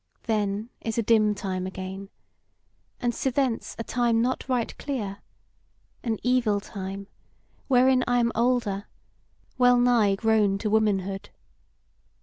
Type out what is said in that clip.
Then is a dim time again, and sithence a time not right clear; an evil time, wherein I am older, wellnigh grown to womanhood.